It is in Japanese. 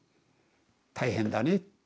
「大変だね」